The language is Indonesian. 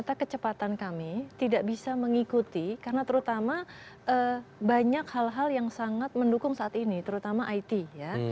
ternyata kecepatan kami tidak bisa mengikuti karena terutama banyak hal hal yang sangat mendukung saat ini terutama it ya